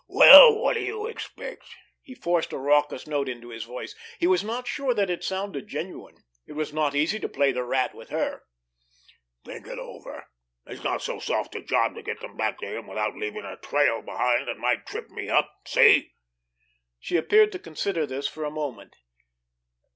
"Well, what do you expect!" He forced a raucous note into his voice. He was not sure that it sounded genuine. It was not easy to play the Rat with her! "Think it over! It's not so soft a job to get them back to him without leaving a trail behind that might trip me up! See?" She appeared to consider this for a moment.